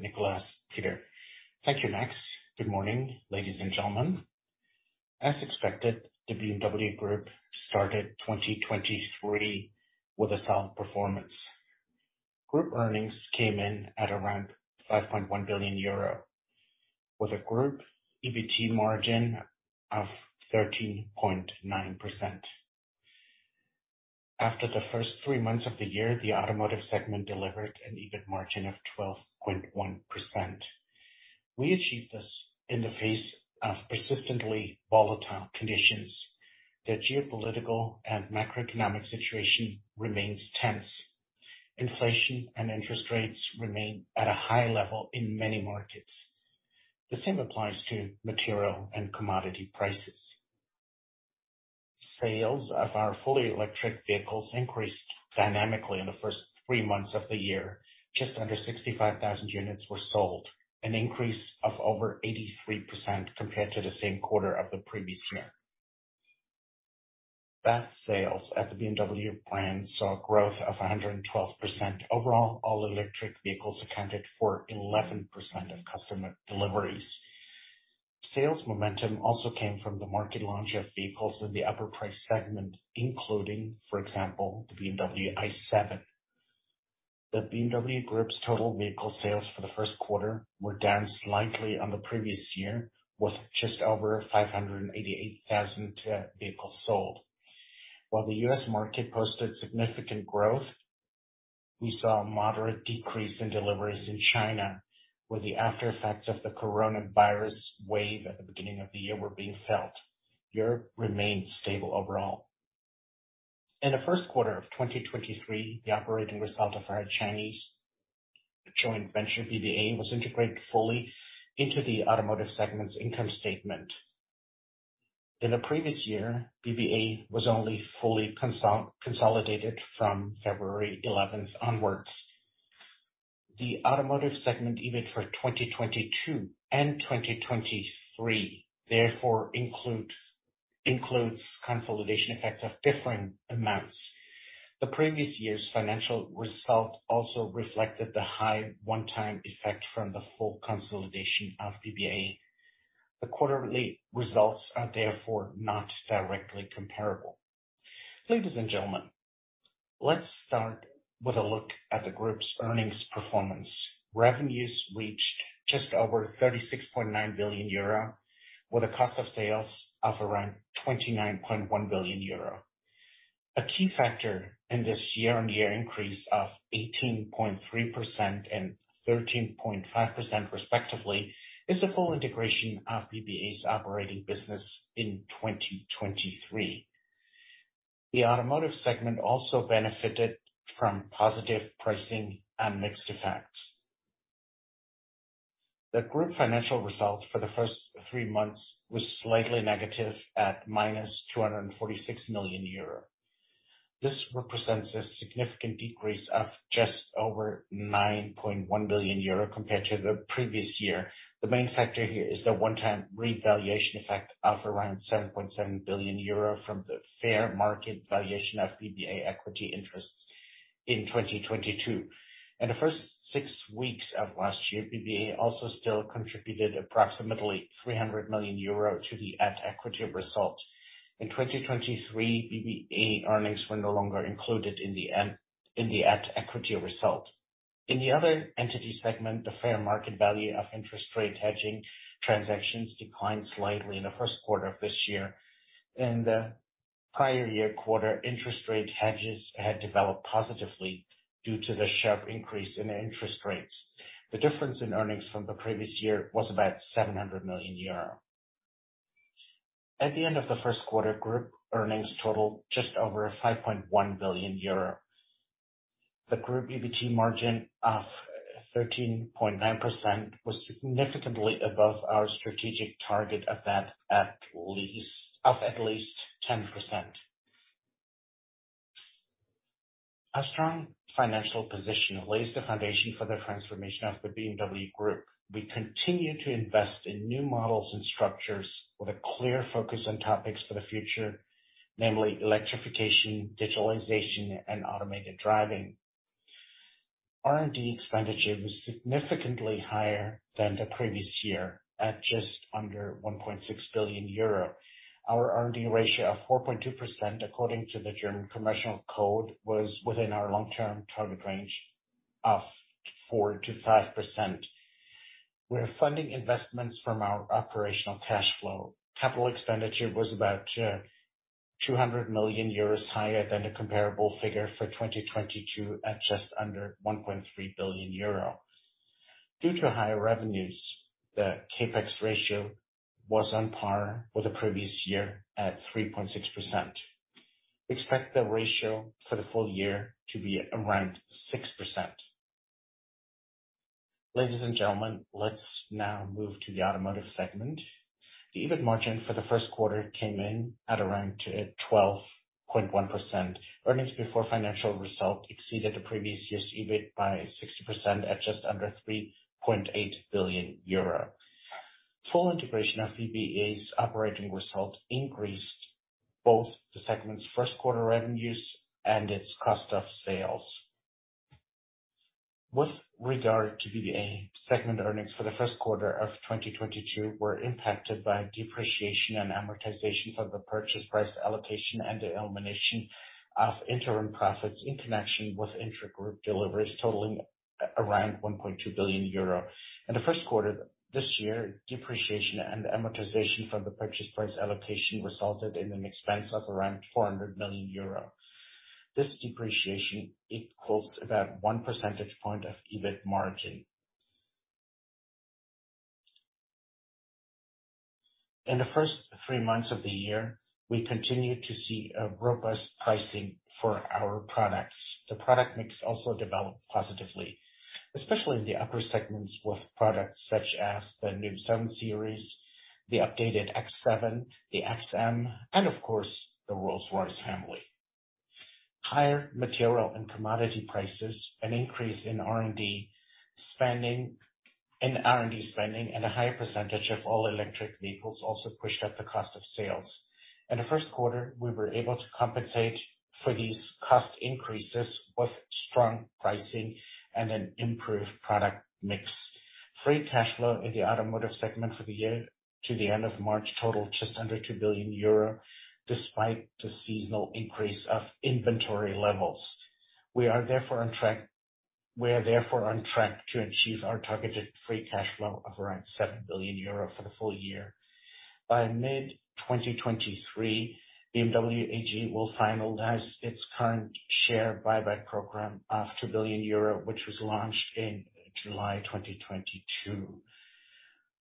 Nicolas Peter. Thank you, Max. Good morning, ladies and gentlemen. As expected, the BMW Group started 2023 with a sound performance. Group earnings came in at around 5.1 billion euro, with a Group EBT margin of 13.9%. After the first three months of the year, the automotive segment delivered an EBIT margin of 12.1%. We achieved this in the face of persistently volatile conditions. The geopolitical and macroeconomic situation remains tense. Inflation and interest rates remain at a high level in many markets. The same applies to material and commodity prices. Sales of our fully electric vehicles increased dynamically in the first three months of the year. Just under 65,000 units were sold, an increase of over 83% compared to the same quarter of the previous year. Sales at the BMW brand saw a growth of 112%. Overall, all electric vehicles accounted for 11% of customer deliveries. Sales momentum also came from the market launch of vehicles in the upper price segment, including, for example, the BMW i7. The BMW Group's total vehicle sales for the first quarter were down slightly on the previous year, with just over 588,000 vehicles sold. While the U.S. market posted significant growth, we saw a moderate decrease in deliveries in China, where the after effects of the coronavirus wave at the beginning of the year were being felt. Europe remained stable overall. In the first quarter of 2023, the operating result of our Chinese joint venture, BBA, was integrated fully into the automotive segment's income statement. In the previous year, BBA was only fully consolidated from February eleventh onwards. The automotive segment, even for 2022 and 2023, therefore includes consolidation effects of different amounts. The previous year's financial result also reflected the high one-time effect from the full consolidation of BBA. The quarterly results are therefore not directly comparable. Ladies and gentlemen, let's start with a look at the group's earnings performance. Revenues reached just over 36.9 billion euro, with a cost of sales of around 29.1 billion euro. A key factor in this year-on-year increase of 18.3% and 13.5% respectively is the full integration of BBA's operating business in 2023. The automotive segment also benefited from positive pricing and mixed effects. The group financial results for the first three months was slightly negative, at minus 246 million euro. This represents a significant decrease of just over 9.1 billion euro compared to the previous year. The main factor here is the one-time revaluation effect of around 7.7 billion euro from the fair market valuation of BBA equity interests in 2022. In the first six weeks of last year, BBA also still contributed approximately 300 million euro to the at-equity result. In 2023, BBA earnings were no longer included in the at-equity result. In the other entity segment, the fair market value of interest rate hedging transactions declined slightly in the first quarter of this year. In the prior year quarter, interest rate hedges had developed positively due to the sharp increase in interest rates. The difference in earnings from the previous year was about 700 million euro. At the end of the first quarter, Group earnings totaled just over 5.1 billion euro. The Group EBT margin of 13.9% was significantly above our strategic target of at least 10%. A strong financial position lays the foundation for the transformation of the BMW Group. We continue to invest in new models and structures with a clear focus on topics for the future, namely electrification, digitalization, and automated driving. R&D expenditure was significantly higher than the previous year at just under 1.6 billion euro. Our R&D ratio of 4.2%, according to the German Commercial Code, was within our long-term target range of 4%-5%. We're funding investments from our operational cash flow. CapEx was about 200 million euros higher than the comparable figure for 2022, at just under 1.3 billion euro. Due to higher revenues, the CapEx ratio was on par with the previous year at 3.6%. Expect the ratio for the full year to be around 6%. Ladies and gentlemen, let's now move to the automotive segment. The EBIT margin for the first quarter came in at around 12.1%. Earnings before financial result exceeded the previous year's EBIT by 60% at just under 3.8 billion euro. Full integration of BBA's operating result increased both the segment's first quarter revenues and its cost of sales. With regard to BBA, segment earnings for the first quarter of 2022 were impacted by depreciation and amortization from the purchase price allocation and the elimination of interim profits in connection with intragroup deliveries totaling around 1.2 billion euro. In the first quarter this year, depreciation and amortization from the purchase price allocation resulted in an expense of around 400 million euro. This depreciation equals about one percentage point of EBIT margin. In the first three months of the year, we continued to see a robust pricing for our products. The product mix also developed positively, especially in the upper segments with products such as the new 7 Series, the updated X7, the XM, and of course, the Rolls-Royce family. Higher material and commodity prices, an increase in R&D spending, and a higher percentage of all electric vehicles also pushed up the cost of sales. In the first quarter, we were able to compensate for these cost increases with strong pricing and an improved product mix. Free cash flow in the automotive segment for the year to the end of March totaled just under 2 billion euro, despite the seasonal increase of inventory levels. We are therefore on track to achieve our targeted free cash flow of around 7 billion euro for the full year. By mid-2023, BMW AG will finalize its current share buyback program of 2 billion euro, which was launched in July 2022.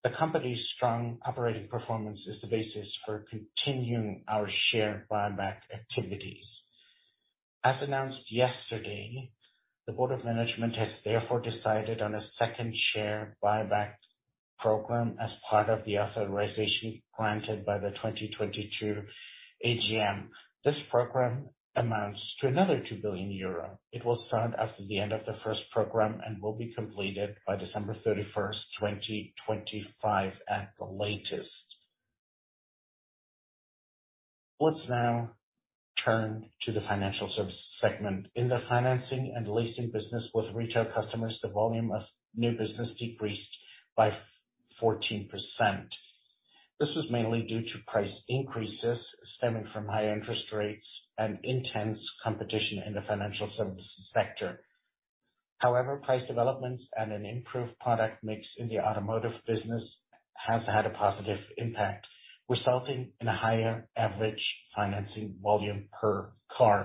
The company's strong operating performance is the basis for continuing our share buyback activities. As announced yesterday, the board of management has therefore decided on a second share buyback program as part of the authorization granted by the 2022 AGM. This program amounts to another 2 billion euro. It will start after the end of the first program and will be completed by December 31, 2025 at the latest. Let's now turn to the financial services segment. In the financing and leasing business with retail customers, the volume of new business decreased by 14%. This was mainly due to price increases stemming from high interest rates and intense competition in the financial services sector. However, price developments and an improved product mix in the automotive business has had a positive impact, resulting in a higher average financing volume per car.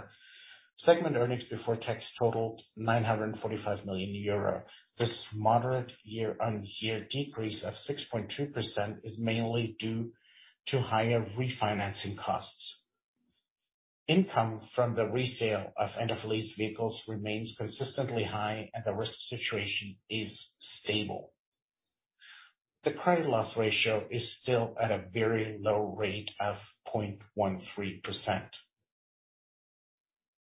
Segment earnings before tax totaled 945 million euro. This moderate year-over-year decrease of 6.2% is mainly due to higher refinancing costs. Income from the resale of end-of-lease vehicles remains consistently high, and the risk situation is stable. The credit loss ratio is still at a very low rate of 0.13%.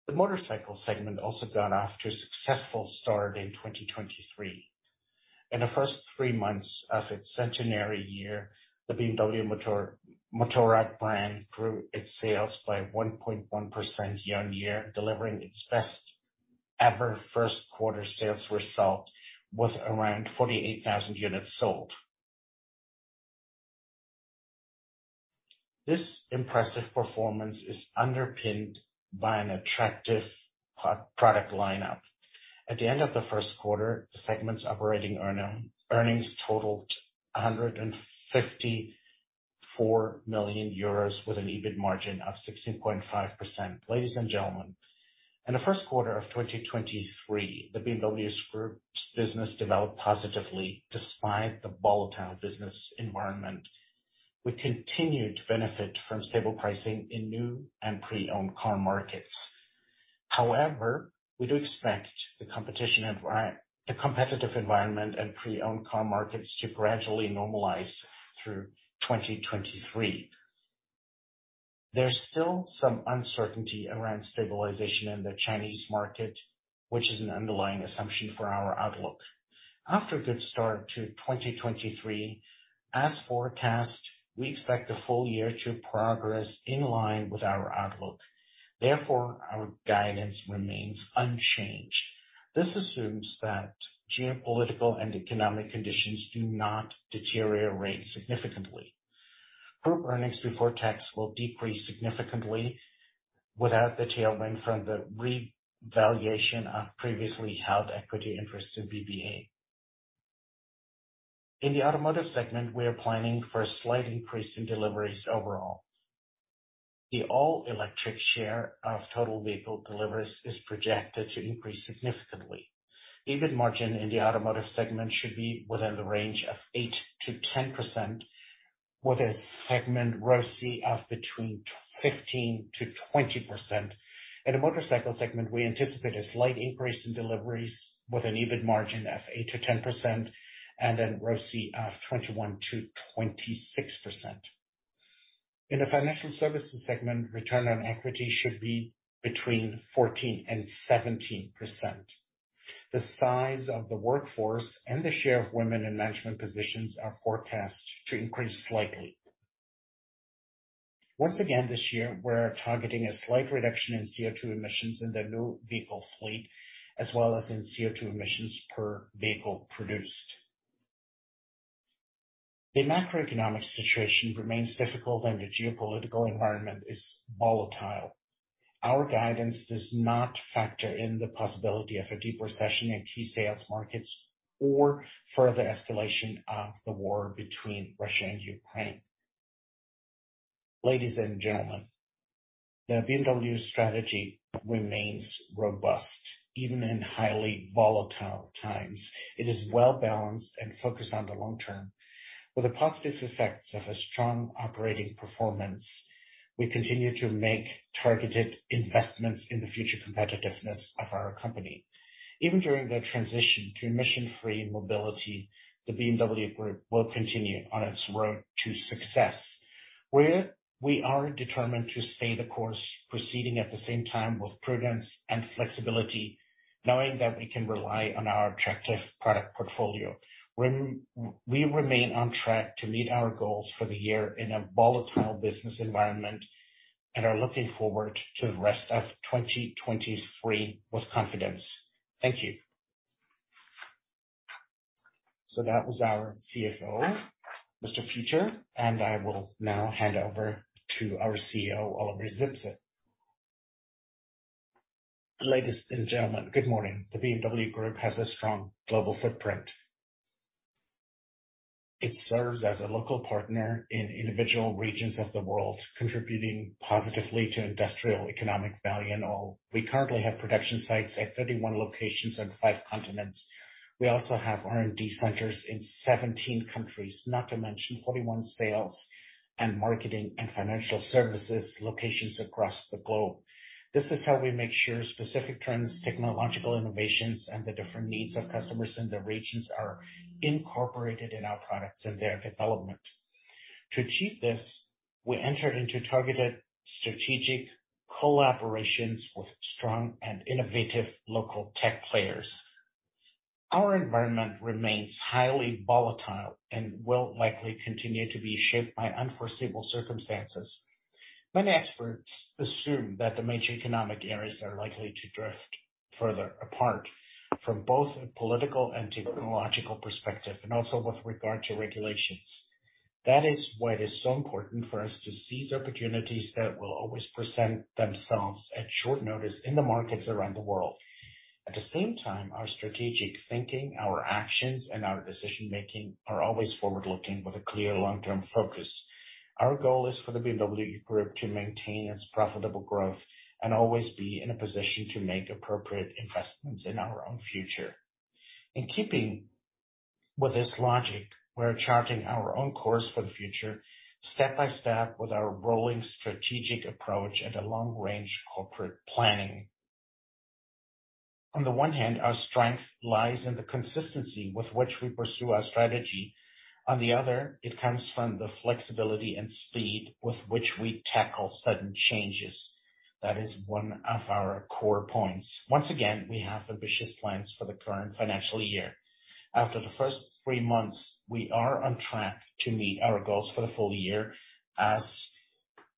The motorcycle segment also got off to a successful start in 2023. In the first three months of its centenary year, the BMW Motorrad brand grew its sales by 1.1% year-over-year, delivering its best-ever first quarter sales result with around 48,000 units sold. This impressive performance is underpinned by an attractive product lineup. At the end of the first quarter, the segment's operating earnings totaled 154 million euros with an EBIT margin of 16.5%. Ladies and gentlemen, in the first quarter of 2023, the BMW Group's business developed positively despite the volatile business environment. We continued to benefit from stable pricing in new and pre-owned car markets. We do expect the competitive environment and pre-owned car markets to gradually normalize through 2023. There's still some uncertainty around stabilization in the Chinese market, which is an underlying assumption for our outlook. After a good start to 2023, as forecast, we expect the full year to progress in line with our outlook. Our guidance remains unchanged. This assumes that geopolitical and economic conditions do not deteriorate significantly. Group earnings before tax will decrease significantly without the tailwind from the revaluation of previously held equity interest in BBA. In the automotive segment, we are planning for a slight increase in deliveries overall. The all-electric share of total vehicle deliveries is projected to increase significantly. EBIT margin in the automotive segment should be within the range of 8%-10%, with a segment ROCE of between 15%-20%. In the motorcycle segment, we anticipate a slight increase in deliveries with an EBIT margin of 8%-10% and an ROCE of 21%-26%. In the financial services segment, return on equity should be between 14% and 17%. The size of the workforce and the share of women in management positions are forecast to increase slightly. Once again, this year, we're targeting a slight reduction in CO₂ emissions in the new vehicle fleet, as well as in CO₂ emissions per vehicle produced. The macroeconomic situation remains difficult and the geopolitical environment is volatile. Our guidance does not factor in the possibility of a deeper session in key sales markets or further escalation of the war between Russia and Ukraine. Ladies and gentlemen, the BMW strategy remains robust, even in highly volatile times. It is well-balanced and focused on the long term. With the positive effects of a strong operating performance, we continue to make targeted investments in the future competitiveness of our company. Even during the transition to emission-free mobility, the BMW Group will continue on its road to success. Where we are determined to stay the course, proceeding at the same time with prudence and flexibility, knowing that we can rely on our attractive product portfolio. When we remain on track to meet our goals for the year in a volatile business environment and are looking forward to the rest of 2023 with confidence. Thank you. That was our CFO, Mr. Peter, I will now hand over to our CEO, Oliver Zipse. Ladies and gentlemen, good morning. The BMW Group has a strong global footprint. It serves as a local partner in individual regions of the world, contributing positively to industrial economic value in all. We currently have production sites at 31 locations on five continents. We also have R&D centers in 17 countries, not to mention 41 sales and marketing and financial services locations across the globe. This is how we make sure specific trends, technological innovations, and the different needs of customers in the regions are incorporated in our products and their development. To achieve this, we entered into targeted strategic collaborations with strong and innovative local tech players. Our environment remains highly volatile and will likely continue to be shaped by unforeseeable circumstances. Many experts assume that the major economic areas are likely to drift further apart from both a political and technological perspective, and also with regard to regulations. That is why it is so important for us to seize opportunities that will always present themselves at short notice in the markets around the world. At the same time, our strategic thinking, our actions, and our decision-making are always forward-looking with a clear long-term focus. Our goal is for the BMW Group to maintain its profitable growth and always be in a position to make appropriate investments in our own future. In keeping with this logic, we're charting our own course for the future step by step with our rolling strategic approach at a long-range corporate planning. On the one hand, our strength lies in the consistency with which we pursue our strategy. On the other, it comes from the flexibility and speed with which we tackle sudden changes. That is one of our core points. Once again, we have ambitious plans for the current financial year. After the first three months, we are on track to meet our goals for the full year as.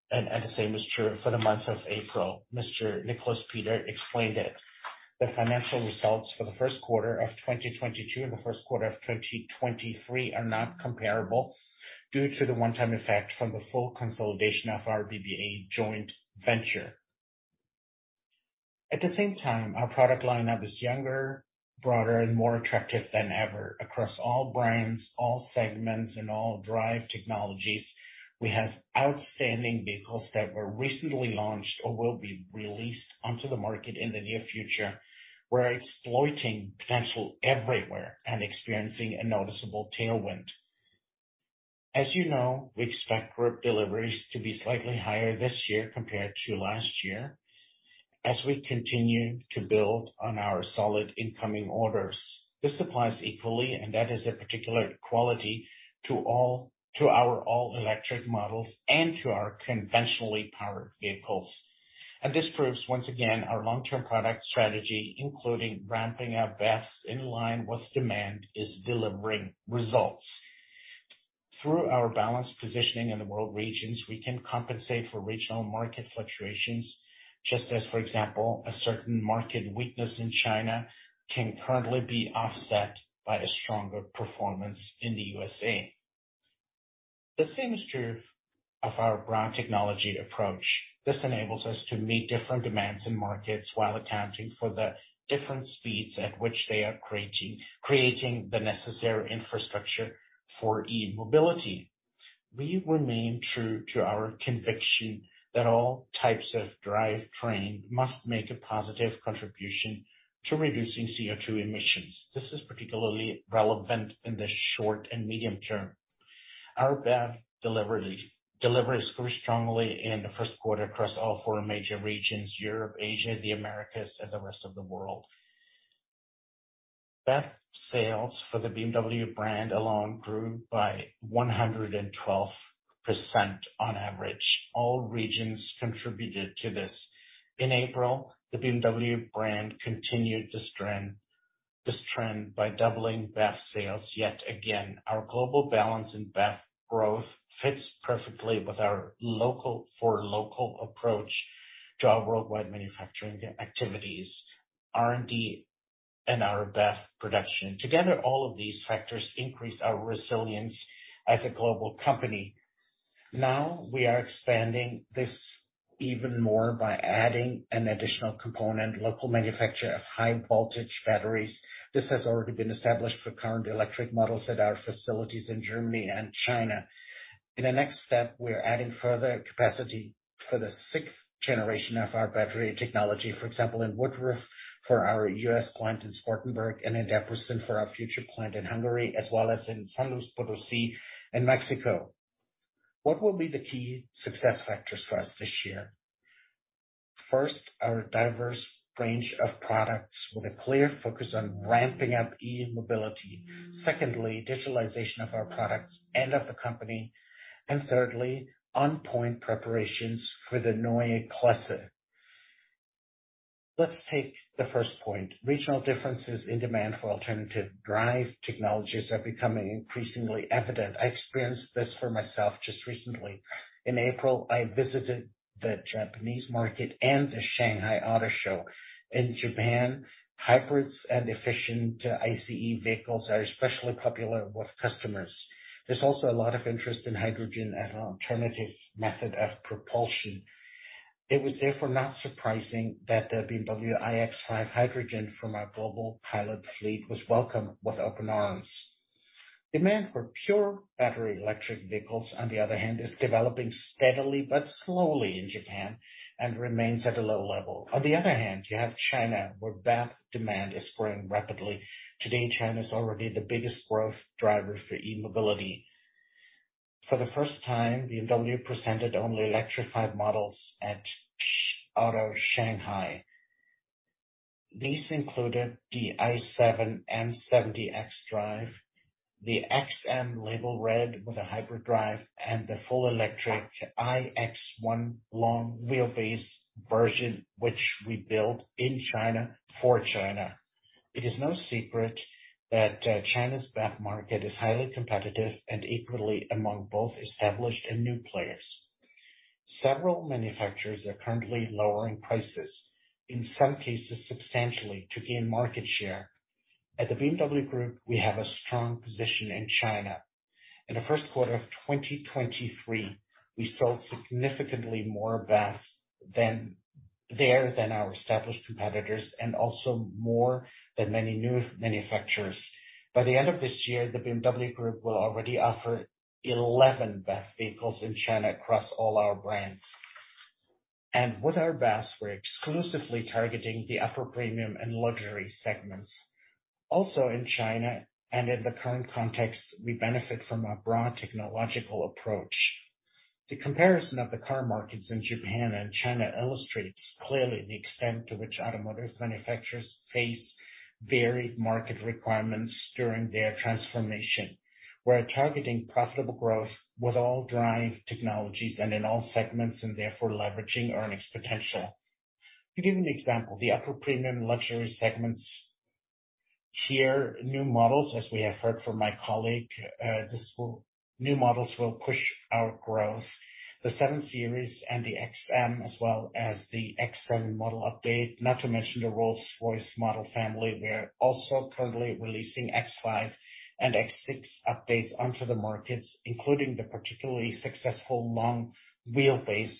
The same is true for the month of April. Mr. Nicolas Peter explained it. The financial results for the first quarter of 2022 and the first quarter of 2023 are not comparable due to the one-time effect from the full consolidation of our BBA joint venture. At the same time, our product lineup is younger, broader, and more attractive than ever. Across all brands, all segments, and all drive technologies, we have outstanding vehicles that were recently launched or will be released onto the market in the near future. We're exploiting potential everywhere and experiencing a noticeable tailwind. As you know, we expect Group deliveries to be slightly higher this year compared to last year, as we continue to build on our solid incoming orders. This applies equally, and that is a particular quality to all, to our all-electric models and to our conventionally powered vehicles. This proves once again our long-term product strategy, including ramping up BEVs in line with demand, is delivering results. Through our balanced positioning in the world regions, we can compensate for regional market fluctuations, just as, for example, a certain market weakness in China can currently be offset by a stronger performance in the USA. The same is true of our brand technology approach. This enables us to meet different demands in markets while accounting for the different speeds at which they are creating the necessary infrastructure for e-mobility. We remain true to our conviction that all types of drivetrain must make a positive contribution to reducing CO₂ emissions. This is particularly relevant in the short and medium term. Our BEV delivers grew strongly in the first quarter across all four major regions, Europe, Asia, the Americas, and the rest of the world. BEV sales for the BMW brand alone grew by 112% on average. All regions contributed to this. In April, the BMW brand continued this trend by doubling BEV sales yet again. Our global balance in BEV growth fits perfectly with our local approach to our worldwide manufacturing activities, R&D, and our BEV production. Together, all of these factors increase our resilience as a global company. Now, we are expanding this even more by adding an additional component, local manufacture of high voltage batteries. This has already been established for current electric models at our facilities in Germany and China. In the next step, we're adding further capacity for the sixth generation of our battery technology, for example, in Woodruff for our U.S. plant in Spartanburg and in Debrecen for our future plant in Hungary, as well as in San Luis Potosi in Mexico. What will be the key success factors for us this year? First, our diverse range of products with a clear focus on ramping up e-mobility. Secondly, digitalization of our products and of the company. Thirdly, on point preparations for the Neue Klasse. Let's take the first point. Regional differences in demand for alternative drive technologies are becoming increasingly evident. I experienced this for myself just recently. In April, I visited the Japanese market and the Auto Shanghai. In Japan, hybrids and efficient ICE vehicles are especially popular with customers. There's also a lot of interest in hydrogen as an alternative method of propulsion. It was therefore not surprising that the BMW iX5 Hydrogen from our global pilot fleet was welcomed with open arms. Demand for pure battery electric vehicles, on the other hand, is developing steadily but slowly in Japan and remains at a low level. You have China, where BEV demand is growing rapidly. Today, China is already the biggest growth driver for e-mobility. For the first time, BMW presented only electrified models at Auto Shanghai. These included the i7 M70 xDrive, the XM Label Red with a hybrid drive, and the full electric iX1 long wheelbase version, which we built in China for China. It is no secret that China's BEV market is highly competitive and equally among both established and new players. Several manufacturers are currently lowering prices, in some cases substantially, to gain market share. At the BMW Group, we have a strong position in China. In the first quarter of 2023, we sold significantly more BEVs there than our established competitors and also more than many new manufacturers. By the end of this year, the BMW Group will already offer 11 BEV vehicles in China across all our brands. With our BEVs, we're exclusively targeting the upper premium and luxury segments. Also, in China and in the current context, we benefit from a broad technological approach. The comparison of the car markets in Japan and China illustrates clearly the extent to which automotive manufacturers face varied market requirements during their transformation. We're targeting profitable growth with all drive technologies and in all segments, and therefore leveraging earnings potential. To give you an example, the upper premium luxury segments. Here, new models, as we have heard from my colleague, new models will push our growth. The 7 Series and the XM, as well as the XM model update, not to mention the Rolls-Royce model family. We're also currently releasing X5 and X6 updates onto the markets, including the particularly successful long wheelbase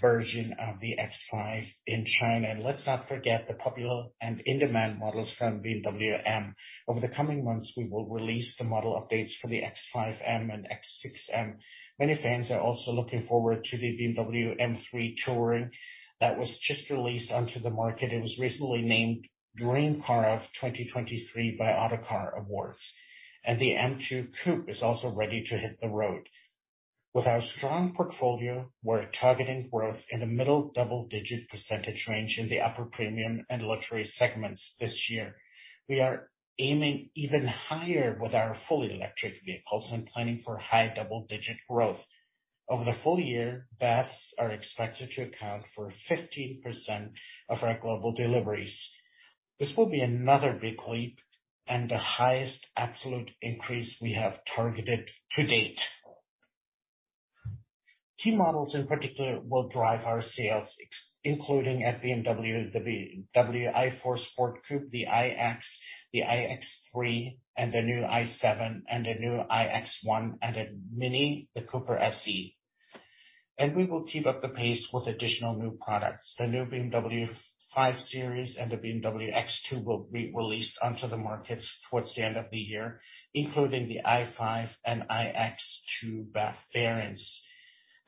version of the X5 in China. Let's not forget the popular and in-demand models from BMW M. Over the coming months, we will release the model updates for the X5 M and X6 M. Many fans are also looking forward to the BMW M3 Touring that was just released onto the market. It was recently named Dream Car 2023 by Autocar Awards. The M2 Coupe is also ready to hit the road. With our strong portfolio, we're targeting growth in the middle double-digit % range in the upper premium and luxury segments this year. We are aiming even higher with our fully electric vehicles and planning for high double-digit growth. Over the full year, BEVs are expected to account for 15% of our global deliveries. This will be another big leap and the highest absolute increase we have targeted to date. Key models in particular will drive our sales, including at BMW, the BMW i4 sport coupe, the iX, the iX3, and the new i7, and the new iX1, and at MINI, the Cooper SE. We will keep up the pace with additional new products. The new BMW 5 Series and the BMW X2 will be released onto the markets towards the end of the year, including the i5 and iX2 BEV variants.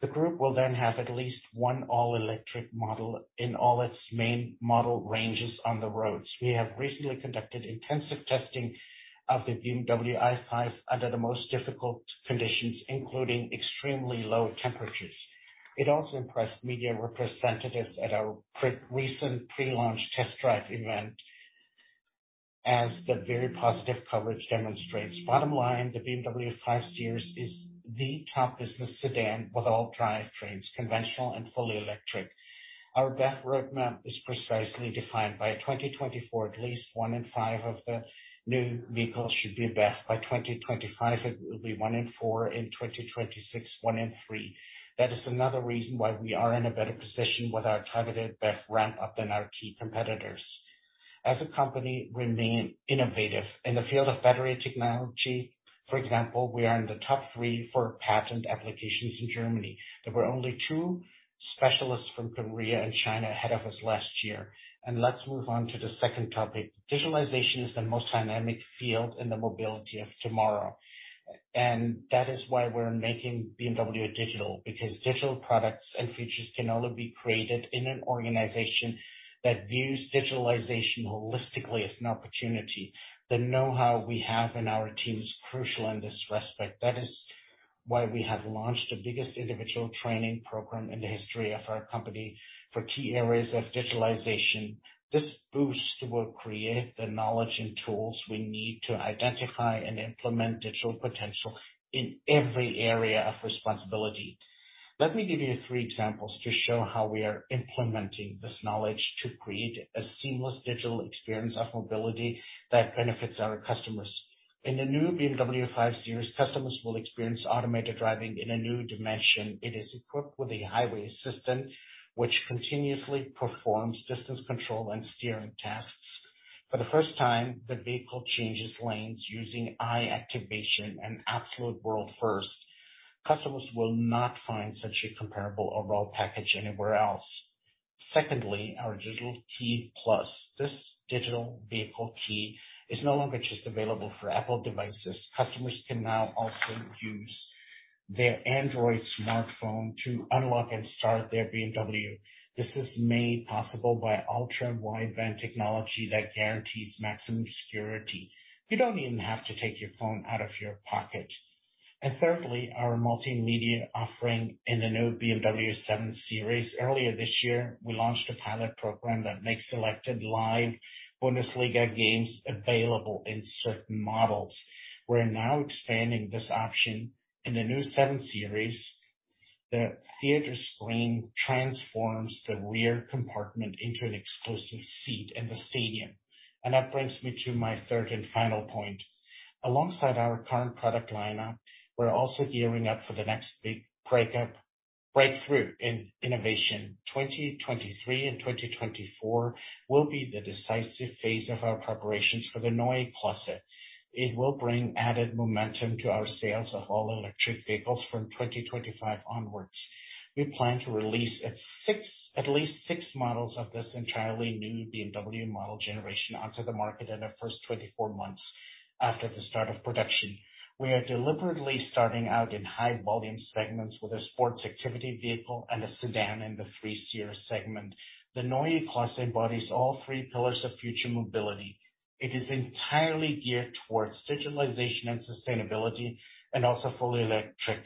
The group will then have at least one all-electric model in all its main model ranges on the roads. We have recently conducted intensive testing of the BMW i5 under the most difficult conditions, including extremely low temperatures. It also impressed media representatives at our recent pre-launch test drive event. As the very positive coverage demonstrates. Bottom line, the BMW 5 Series is the top business sedan with all drivetrains, conventional and fully electric. Our BEV roadmap is precisely defined. By 2024, at least 1-in-5 of the new vehicles should be a BEV. By 2025, it will be 1-in-4. In 2026, 1-in-3. That is another reason why we are in a better position with our targeted BEV ramp up than our key competitors. As a company, we remain innovative. In the field of battery technology, for example, we are in the top three for patent applications in Germany. There were only two specialists from Korea and China ahead of us last year. Let's move on to the second topic. Digitalization is the most dynamic field in the mobility of tomorrow. That is why we're making BMW digital, because digital products and features can only be created in an organization that views digitalization holistically as an opportunity. The know-how we have in our team is crucial in this respect. That is why we have launched the biggest individual training program in the history of our company for key areas of digitalization. This boost will create the knowledge and tools we need to identify and implement digital potential in every area of responsibility. Let me give you three examples to show how we are implementing this knowledge to create a seamless digital experience of mobility that benefits our customers. In the new BMW 5 Series, customers will experience automated driving in a new dimension. It is equipped with a Highway Assistant which continuously performs distance control and steering tasks. For the first time, the vehicle changes lanes using eye activation, an absolute world first. Customers will not find such a comparable overall package anywhere else. Secondly, our Digital Key Plus. This digital vehicle key is no longer just available for Apple devices. Customers can now also use their Android smartphone to unlock and start their BMW. This is made possible by ultra-wideband technology that guarantees maximum security. You don't even have to take your phone out of your pocket. Thirdly, our multimedia offering in the new BMW 7 Series. Earlier this year, we launched a pilot program that makes selected live Bundesliga games available in certain models. We're now expanding this option in the new 7 Series. The BMW Theatre Screen transforms the rear compartment into an exclusive seat in the stadium. That brings me to my third and final point. Alongside our current product lineup, we're also gearing up for the next big breakthrough in innovation. 2023 and 2024 will be the decisive phase of our preparations for the Neue Klasse. It will bring added momentum to our sales of all-electric vehicles from 2025 onwards. We plan to release at least six models of this entirely new BMW model generation onto the market in the first 24 months after the start of production. We are deliberately starting out in high volume segments with a Sports Activity Vehicle and a sedan in the 3 Series segment. The Neue Klasse embodies all three pillars of future mobility. It is entirely geared towards digitalization and sustainability, and also fully electric.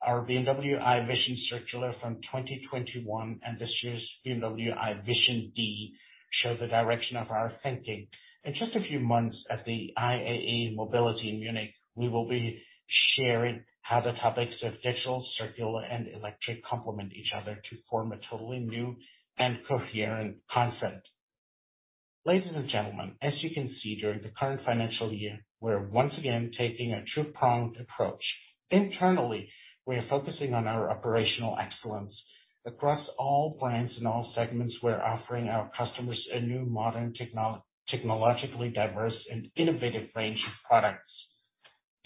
Our BMW i Vision Circular from 2021 and this year's BMW i Vision Dee show the direction of our thinking. In just a few months at the IAA MOBILITY in Munich, we will be sharing how the topics of digital, circular, and electric complement each other to form a totally new and coherent concept. Ladies and gentlemen, as you can see during the current financial year, we're once again taking a two-pronged approach. Internally, we are focusing on our operational excellence. Across all brands and all segments, we're offering our customers a new modern technologically diverse and innovative range of products.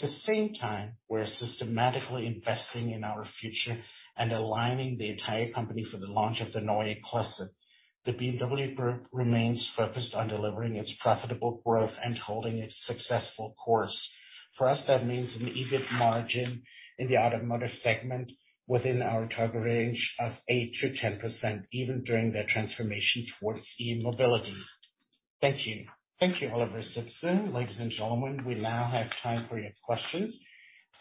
At the same time, we're systematically investing in our future and aligning the entire company for the launch of the Neue Klasse. The BMW Group remains focused on delivering its profitable growth and holding its successful course. For us, that means an EBIT margin in the automotive segment within our target range of 8% to 10%, even during the transformation towards e-mobility. Thank you. Thank you, Oliver Zipse. Ladies and gentlemen, we now have time for your questions.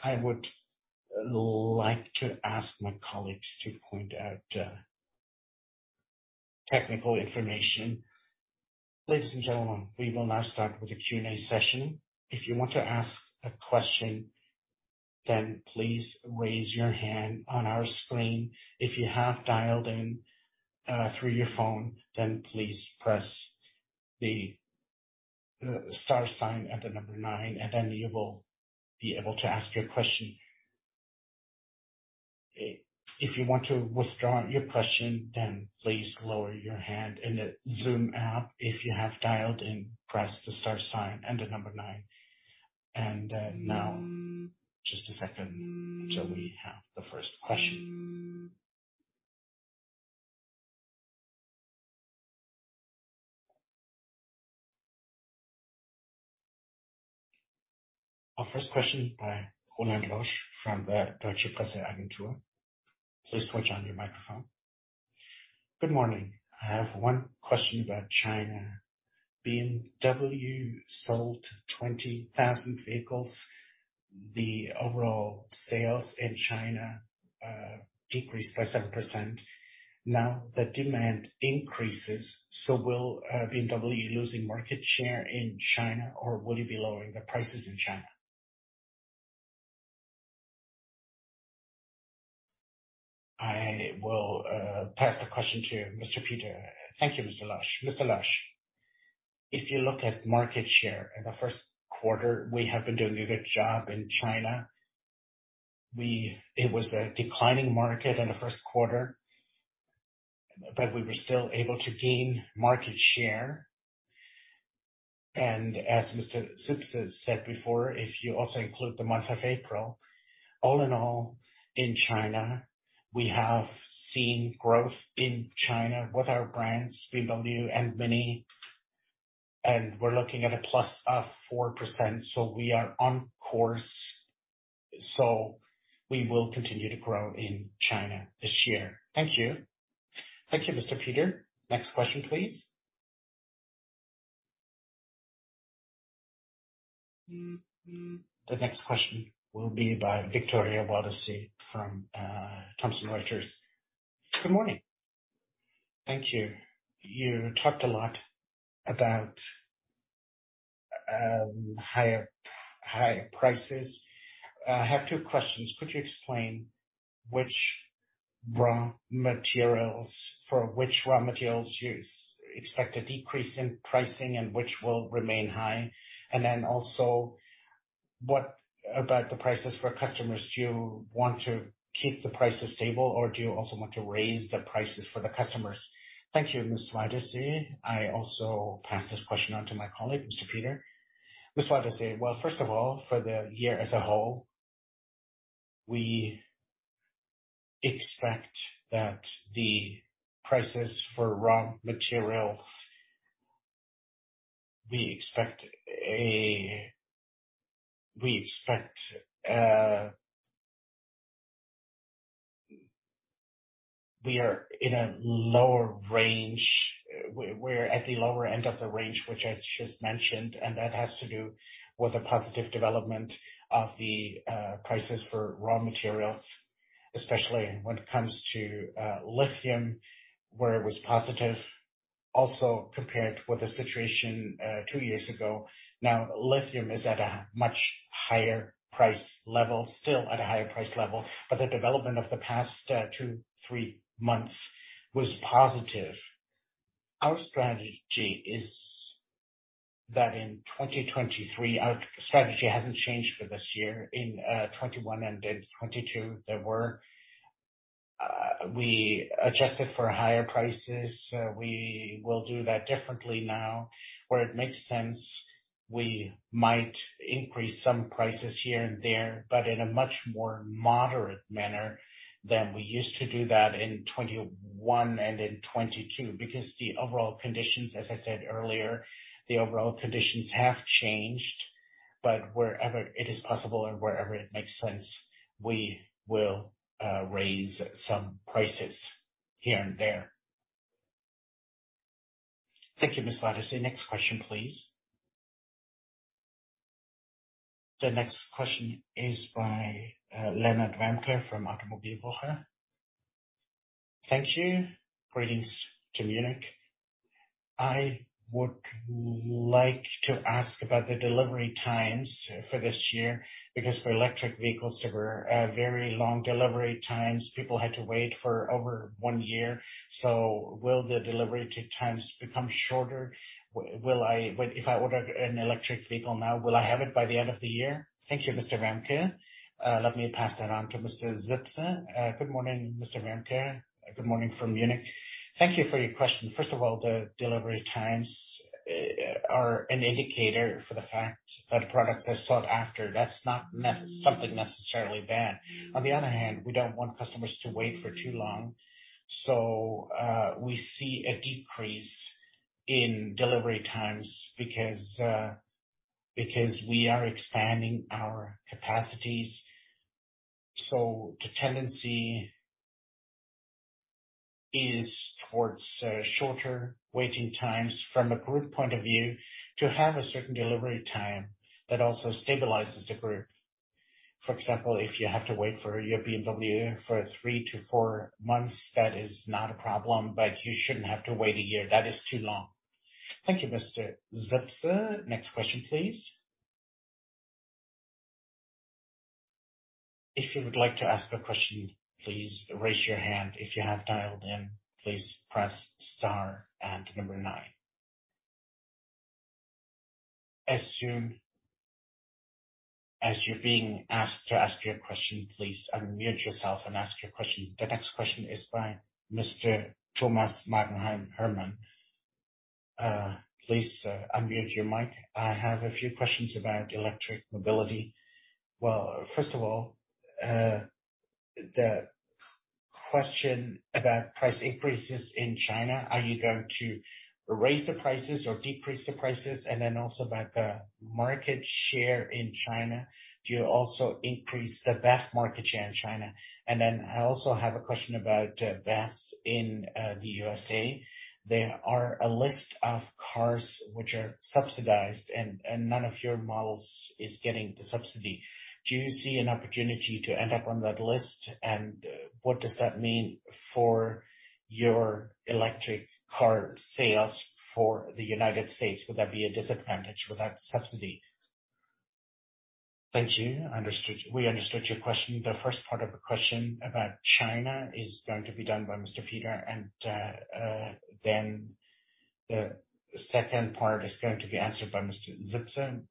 I would like to ask my colleagues to point out technical information. Ladies and gentlemen, we will now start with the Q&A session. If you want to ask a question, then please raise your hand on our screen. If you have dialed in, through your phone, then please press the star sign and the number nine, and then you will be able to ask your question. If you want to withdraw your question, then please lower your hand in the Zoom app. If you have dialed in, press the star sign and the number nine. Now just a second till we have the first question. Our first question by Roland Losch from the Deutsche Presse-Agentur. Please switch on your microphone. Good morning. I have one question about China. BMW sold 20,000 vehicles The overall sales in China decreased by 7%. The demand increases, will BMW losing market share in China or will you be lowering the prices in China? I will pass the question to Mr. Peter. Thank you, Mr. Losch. Mr. Locsh, if you look at market share in the first quarter, we have been doing a good job in China. It was a declining market in the first quarter, but we were still able to gain market share. As Mr. Zipse said before, if you also include the month of April, all in all, in China, we have seen growth in China with our brands, BMW and MINI, and we're looking at a plus of 4%. We are on course. We will continue to grow in China this year. Thank you. Thank you, Mr. Peter. Next question, please. The next question will be by Victoria Wardasy from Thomson Reuters. Good morning. Thank you. You talked a lot about higher prices. I have two questions. Could you explain for which raw materials you expect a decrease in pricing and which will remain high? Also what about the prices for customers? Do you want to keep the prices stable, or do you also want to raise the prices for the customers? Thank you, Ms. Wardasy. I also pass this question on to my colleague, Mr. Peter. Ms. Wardasy, well, first of all, for the year as a whole, we expect that the prices for raw materials. We are in a lower range. We're at the lower end of the range which I just mentioned. That has to do with the positive development of the prices for raw materials, especially when it comes to lithium, where it was positive, also compared with the situation two years ago. Now, lithium is at a much higher price level, still at a higher price level, but the development of the past two, three months was positive. Our strategy hasn't changed for this year. In 2021 and in 2022, there were, we adjusted for higher prices. We will do that differently now. Where it makes sense, we might increase some prices here and there, but in a much more moderate manner than we used to do that in 2021 and in 2022, because the overall conditions, as I said earlier, the overall conditions have changed. Wherever it is possible and wherever it makes sense, we will raise some prices here and there. Thank you, Ms. Wardasy. Next question, please. The next question is by Lennard Ramker from Automobilwoche. Thank you. Greetings to Munich. I would like to ask about the delivery times for this year, because for electric vehicles, there were very long delivery times. People had to wait for over one year. Will the delivery times become shorter? If I order an electric vehicle now, will I have it by the end of the year? Thank you, Mr. Ramker. Let me pass that on to Mr. Zipse. Good morning, Mr. Ramker. Good morning from Munich. Thank you for your question. First of all, the delivery times are an indicator for the fact that products are sought after. That's not something necessarily bad. On the other hand, we don't want customers to wait for too long. We see a decrease in delivery times because because we are expanding our capacities. The tendency is towards shorter waiting times from a group point of view to have a certain delivery time that also stabilizes the group. For example, if you have to wait for your BMW for three-four months, that is not a problem, but you shouldn't have to wait one year. That is too long. Thank you, Mr. Zipse. Next question, please. If you would like to ask a question, please raise your hand. If you have dialed in, please press star and nine. As soon as you're being asked to ask your question, please unmute yourself and ask your question. The next question is by Mr. Thomas-Markus Herman. Please unmute your mic. I have a few questions about electric mobility. First of all, the question about price increases in China, are you going to raise the prices or decrease the prices? Also about the market share in China. Do you also increase the BEV market share in China? I also have a question about BEVs in the USA. There are a list of cars which are subsidized and none of your models is getting the subsidy. Do you see an opportunity to end up on that list? What does that mean for your electric car sales for the United States? Would that be a disadvantage without subsidy? Thank you. Understood. We understood your question. The first part of the question about China is going to be done by Mr. Peter, then the second part is going to be answered by Mr. Zipse.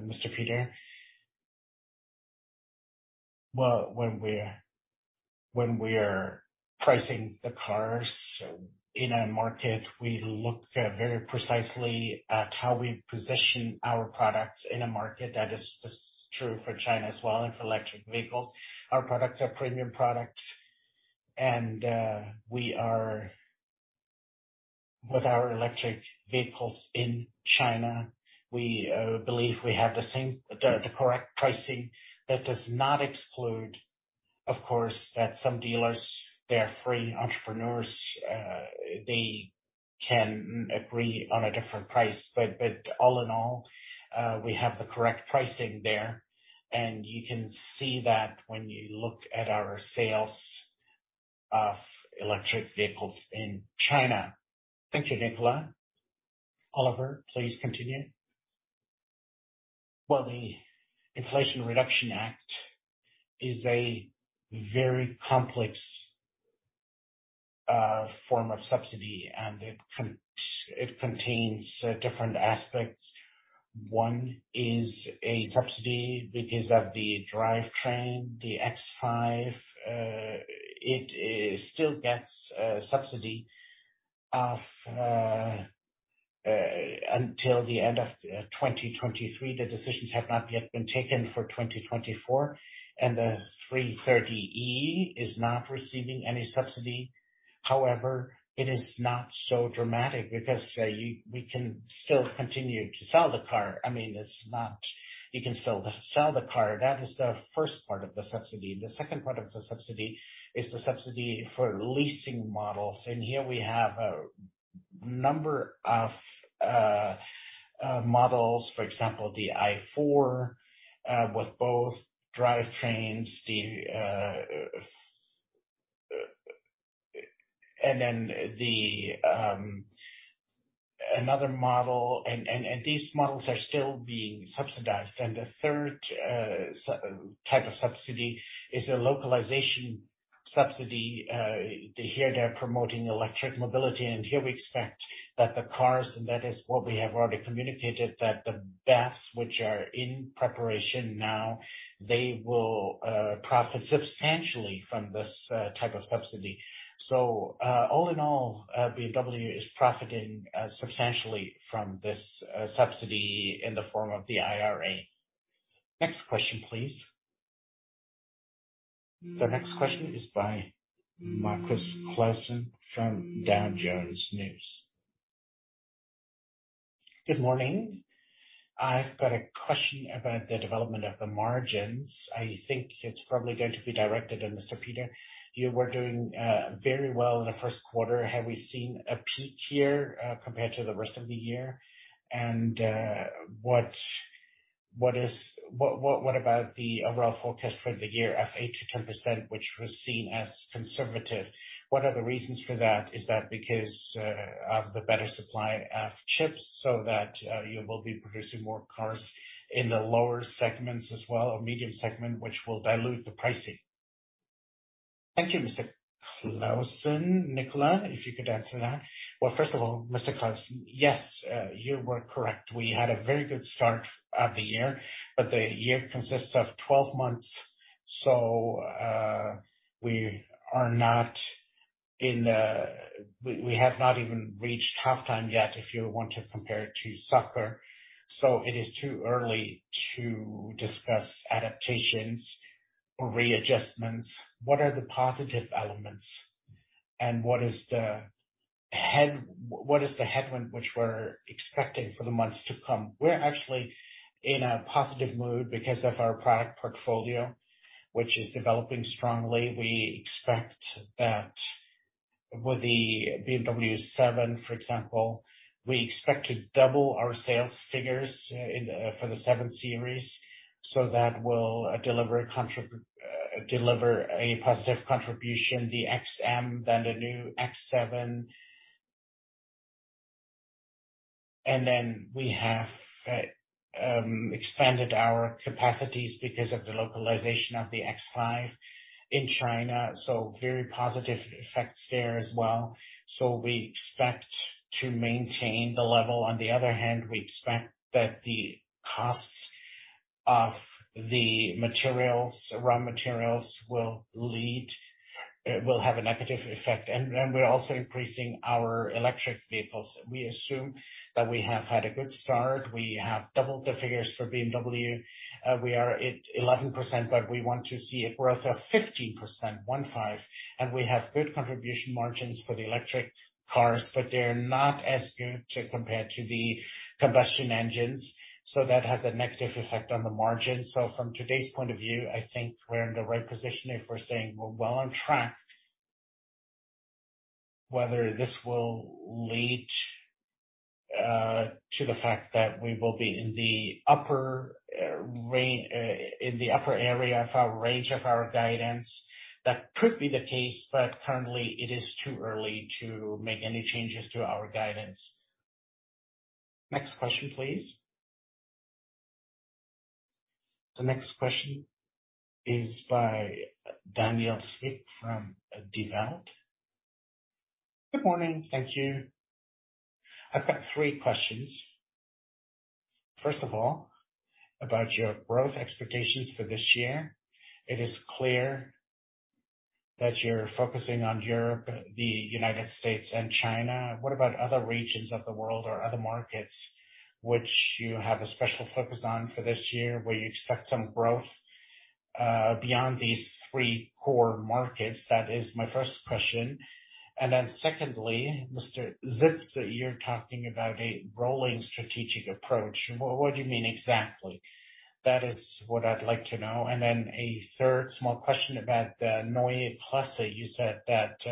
Mr. Peter? Well, when we're pricing the cars in a market, we look very precisely at how we position our products in a market that is just true for China as well, for electric vehicles. Our products are premium products. With our electric vehicles in China, we believe we have the correct pricing. That does not exclude, of course, that some dealers, they are free entrepreneurs, they can agree on a different price. All in all, we have the correct pricing there. You can see that when you look at our sales of electric vehicles in China. Thank you, Nicolas. Oliver, please continue. The Inflation Reduction Act is a very complex form of subsidy, and it contains different aspects. One is a subsidy because of the drivetrain, the X5. It still gets a subsidy until the end of 2023. The decisions have not yet been taken for 2024, and the 330e is not receiving any subsidy. It is not so dramatic because we can still continue to sell the car. I mean, you can still sell the car. That is the first part of the subsidy. The second part of the subsidy is the subsidy for leasing models. Here we have a number of models. For example, the i4 with both drivetrains, the, the, another model and these models are still being subsidized. The third type of subsidy is a localization subsidy. Here they're promoting electric mobility, and here we expect that the cars, and that is what we have already communicated, that the BEVs, which are in preparation now, they will profit substantially from this type of subsidy. All in all, BMW is profiting substantially from this subsidy in the form of the IRA. Next question, please. The next question is by Marcus Clausen from Dow Jones Newswires. Good morning. I've got a question about the development of the margins. I think it's probably going to be directed at Mr. Peter. You were doing very well in the first quarter. Have we seen a peak here compared to the rest of the year? What about the overall forecast for the year F 8%-10%, which was seen as conservative? What are the reasons for that? Is that because of the better supply of chips, so that, you will be producing more cars in the lower segments as well, or medium segment, which will dilute the pricing? Thank you, Mr. Clausen. Nicola, if you could answer that. Well, first of all, Mr. Clausen, yes, you were correct. We had a very good start of the year, but the year consists of 12 months, so we have not even reached halftime yet, if you want to compare it to soccer. It is too early to discuss adaptations or readjustments. What are the positive elements, and what is the headwind which we're expecting for the months to come? We're actually in a positive mood because of our product portfolio, which is developing strongly. We expect that with the BMW Seven, for example, we expect to double our sales figures in for the 7 Series. That will deliver a positive contribution. The XM, the new X7. We have expanded our capacities because of the localization of the X5 in China, very positive effects there as well. We expect to maintain the level. On the other hand, we expect that the costs of the materials, raw materials will have a negative effect. We're also increasing our electric vehicles. We assume that we have had a good start. We have doubled the figures for BMW. We are at 11%, but we want to see a growth of 15%, one five, and we have good contribution margins for the electric cars, but they're not as good to compared to the combustion engines. That has a negative effect on the margin. From today's point of view, I think we're in the right position if we're saying we're well on track. Whether this will lead to the fact that we will be in the upper area of our range of our guidance, that could be the case, but currently it is too early to make any changes to our guidance. Next question, please. The next question is by Daniel Zwick from Die Welt. Good morning. Thank you. I've got three questions. About your growth expectations for this year. It is clear that you're focusing on Europe, the United States, and China. What about other regions of the world or other markets which you have a special focus on for this year, where you expect some growth beyond these three core markets? That is my first question. Secondly, Mr. Zipse, you're talking about a rolling strategic approach. What do you mean exactly? That is what I'd like to know. A third small question about the Neue Klasse. You said that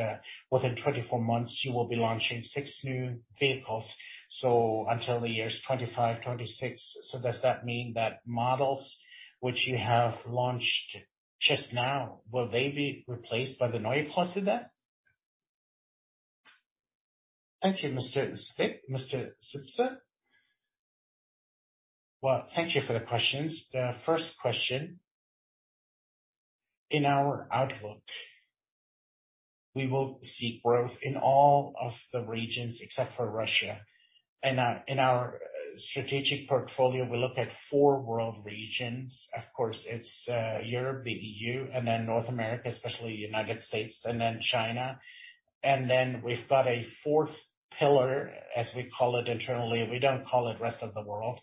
within 24 months you will be launching six new vehicles, so until the years 2025, 2026. Does that mean that models which you have launched just now, will they be replaced by the Neue Klasse then? Thank you, Mr. Zwick. Mr. Zipse. Well, thank you for the questions. The first question. In our outlook, we will see growth in all of the regions except for Russia. In our strategic portfolio, we look at four world regions. Of course, it's Europe, the EU, and then North America, especially United States and then China. We've got a fourth pillar, as we call it internally. We don't call it rest of the world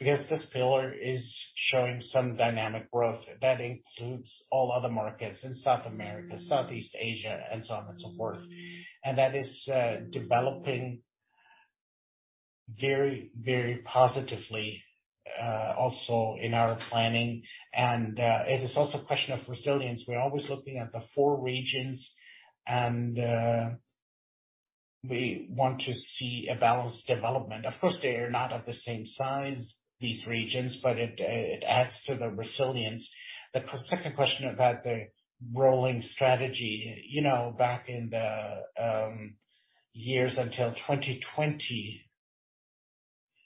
because this pillar is showing some dynamic growth that includes all other markets in South America, Southeast Asia, and so on and so forth. That is developing very, very positively also in our planning. It is also a question of resilience. We're always looking at the four regions and we want to see a balanced development. Of course, they are not of the same size, these regions, but it adds to the resilience. The second question about the rolling strategy. You know, back in the years until 2020,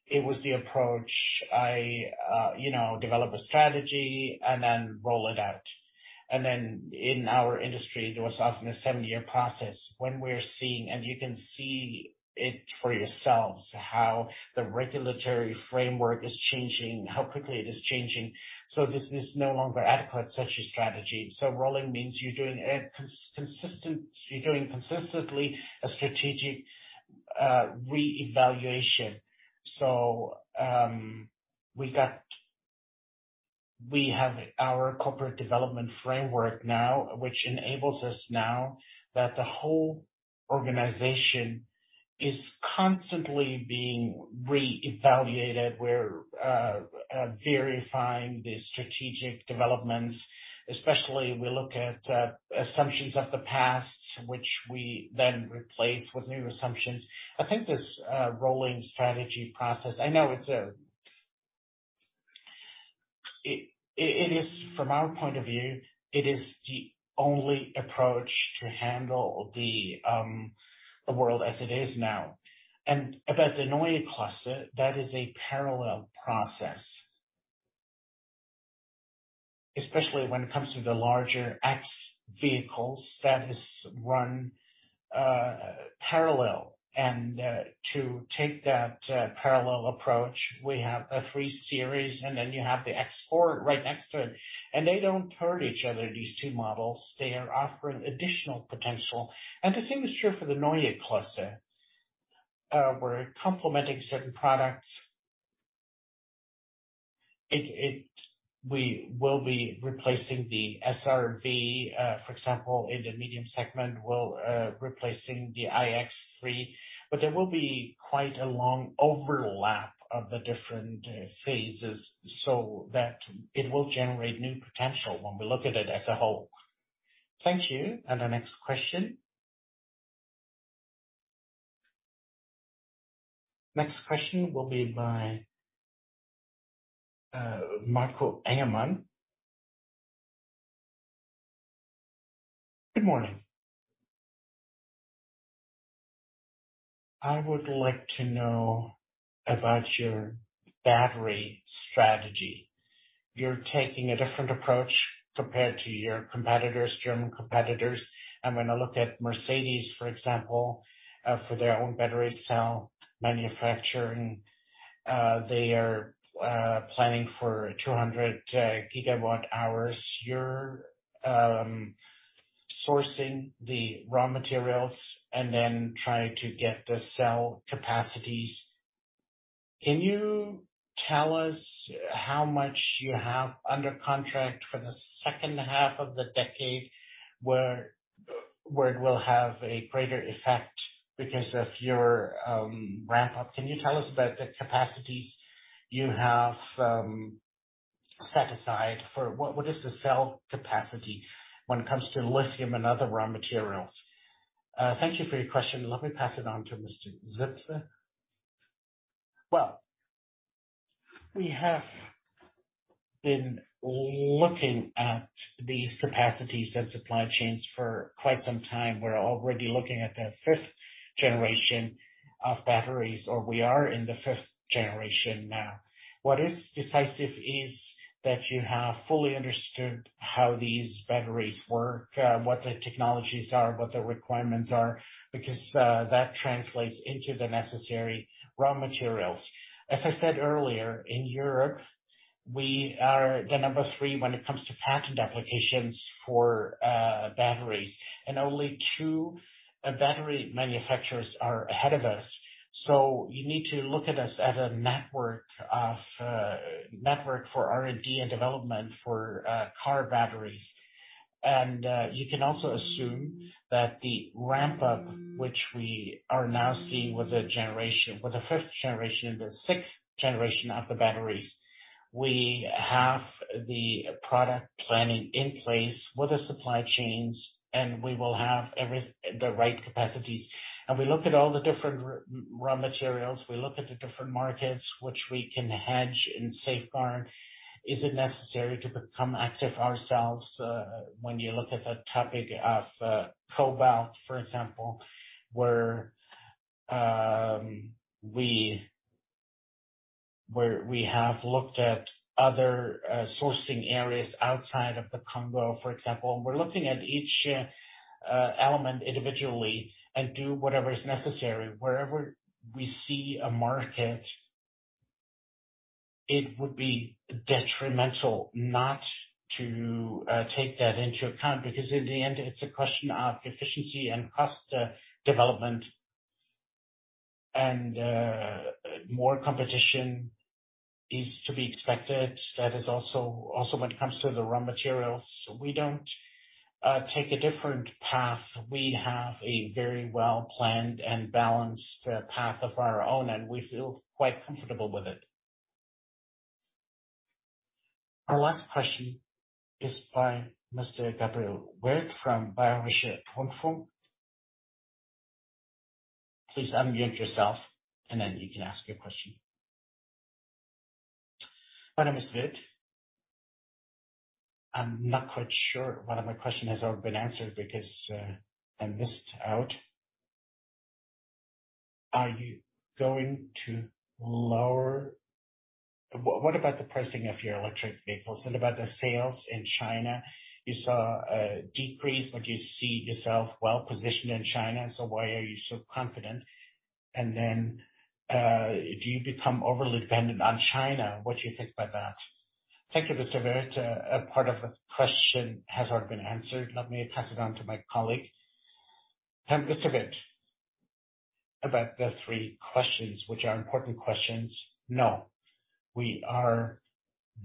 it was the approach. I, you know, develop a strategy and then roll it out. In our industry, there was often a seven-year process when we're seeing, and you can see it for yourselves, how the regulatory framework is changing, how quickly it is changing. This is no longer adequate, such a strategy. Rolling means you're doing consistently a strategic re-evaluation. We have our corporate development framework now, which enables us now that the whole organization is constantly being re-evaluated. We're verifying the strategic developments, especially we look at assumptions of the past, which we then replace with new assumptions. I think this rolling strategy process, I know it's. It is from our point of view, it is the only approach to handle the world as it is now. About the Neue Klasse, that is a parallel process. Especially when it comes to the larger X vehicles that is run parallel. To take that parallel approach, we have a 3 Series and then you have the X4 right next to it, and they don't hurt each other, these two models. They are offering additional potential. The same is true for the Neue Klasse. We're complementing certain products. We will be replacing the SAV, for example, in the medium segment. We'll replacing the iX3, but there will be quite a long overlap of the different phases so that it will generate new potential when we look at it as a whole. Thank you. The next question. Next question will be by Marco Engemann. Good morning. I would like to know about your battery strategy. You're taking a different approach compared to your competitors, German competitors. When I look at Mercedes-Benz, for example, for their own battery cell manufacturing, they are planning for 200 gigawatt hours. You're sourcing the raw materials and then trying to get the cell capacities. Can you tell us how much you have under contract for the second half of the decade, where it will have a greater effect because of your ramp up? Can you tell us about the capacities you have set aside for what is the cell capacity when it comes to lithium and other raw materials? Thank you for your question. Let me pass it on to Mr. Zipse. We have been looking at these capacities and supply chains for quite some time. We're already looking at the fifth generation of batteries, or we are in the fifth generation now. What is decisive is that you have fully understood how these batteries work, what the technologies are, what the requirements are, because that translates into the necessary raw materials. As I said earlier, in Europe, we are the number three when it comes to patent applications for batteries, and only two battery manufacturers are ahead of us. You need to look at us as a network for R&D and development for car batteries. You can also assume that the ramp up, which we are now seeing with the generation, with the fifth generation and the sixth generation of the batteries, we have the product planning in place with the supply chains, and we will have the right capacities. We look at all the different raw materials. We look at the different markets which we can hedge and safeguard. Is it necessary to become active ourselves, when you look at the topic of cobalt, for example, where we have looked at other sourcing areas outside of the Congo, for example? We're looking at each element individually and do whatever is necessary. Wherever we see a market, it would be detrimental not to take that into account, because in the end, it's a question of efficiency and cost development and more competition is to be expected. That is also when it comes to the raw materials. We don't take a different path. We have a very well-planned and balanced path of our own, and we feel quite comfortable with it. Our last question is by Mr. Gabriel Wirth from Bayerische. Please unmute yourself, and then you can ask your question. My name is Wirth. I'm not quite sure whether my question has already been answered because I missed out. Are you going to lower, What about the pricing of your electric vehicles? What about the sales in China? You saw a decrease, but you see yourself well-positioned in China, so why are you so confident? Then, do you become overly dependent on China? What do you think about that? Thank you, Mr. Wirth. Part of the question has already been answered. Let me pass it on to my colleague. Mr. Wirth, about the three questions, which are important questions. No, we are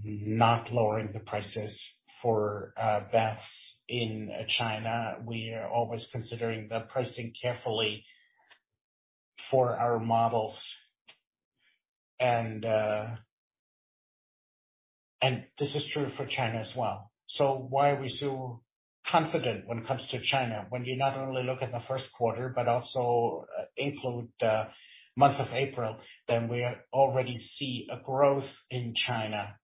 not lowering the prices for BEVs in China. We are always considering the pricing carefully for our models, and this is true for China as well. Why are we so confident when it comes to China? When you not only look at the first quarter but also include the month of April, then we already see a growth in China.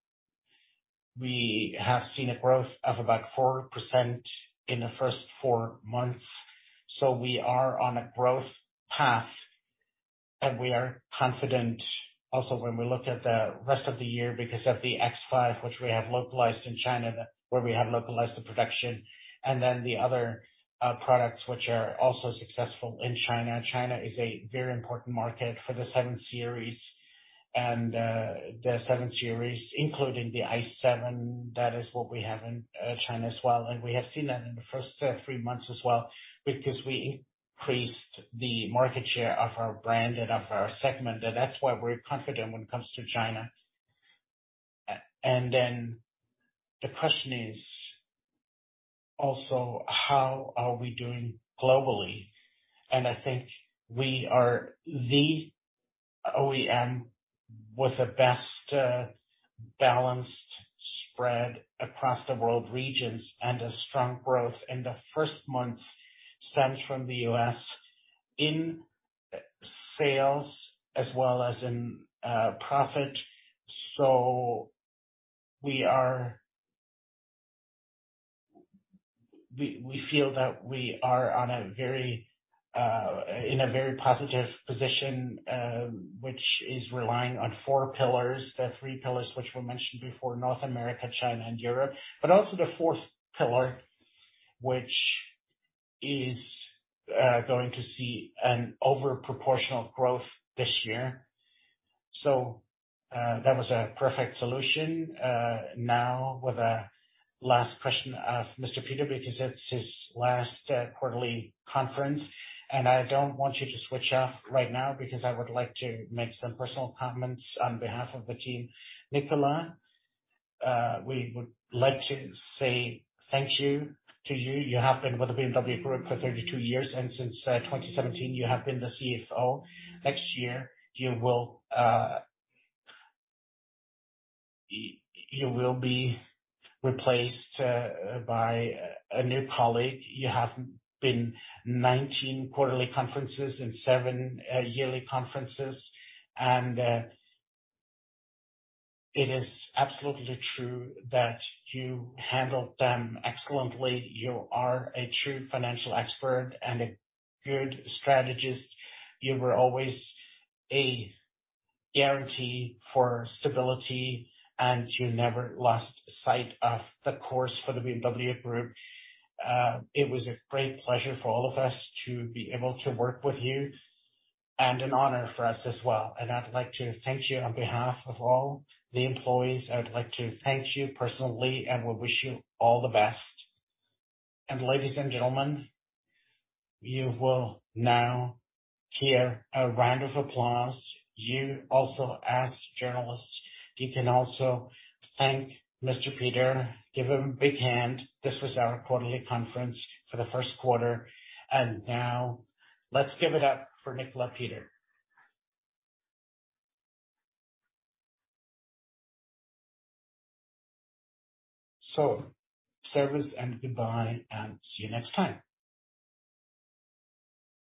We have seen a growth of about 4% in the first four months. We are on a growth path, and we are confident also when we look at the rest of the year because of the X5, which we have localized in China, where we have localized the production, and then the other products which are also successful in China. China is a very important market for the 7 Series and the 7 Series, including the i7. That is what we have in China as well. We have seen that in the first three months as well, because we increased the market share of our brand and of our segment. That's why we're confident when it comes to China. Then the question is also how are we doing globally? I think we are the OEM with the best balanced spread across the world regions and a strong growth in the first months stems from the U.S. in sales as well as in profit. We feel that we are on a very positive position, which is relying on four pillars. The three pillars which were mentioned before, North America, China and Europe, but also the fourth pillar, which is going to see an over proportional growth this year. That was a perfect solution. Now with the last question of Mr. Peter, because it's his last quarterly conference. I don't want you to switch off right now because I would like to make some personal comments on behalf of the team. Nicolas, we would like to say thank you to you. You have been with the BMW Group for 32 years. Since 2017, you have been the CFO. Next year, you will be replaced by a new colleague. You have been 19 quarterly conferences and seven yearly conferences. It is absolutely true that you handled them excellently. You are a true financial expert and a good strategist. You were always a guarantee for stability, and you never lost sight of the course for the BMW Group. It was a great pleasure for all of us to be able to work with you and an honor for us as well. I'd like to thank you on behalf of all the employees. I would like to thank you personally and we wish you all the best. Ladies and gentlemen, you will now hear a round of applause. You also, as journalists, you can also thank Mr. Peter. Give him a big hand. This was our quarterly conference for the first quarter. Now let's give it up for Nicolas Peter. Service and goodbye and see you next time.